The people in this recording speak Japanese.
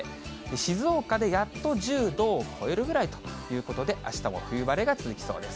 静岡でやっと１０度を超えるぐらいということで、あしたも冬晴れが続きそうです。